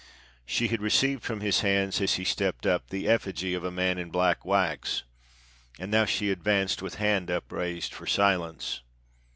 She had received from his hands as he stepped up the effigy of a man in black wax, and now she advanced with hand upraised for silence.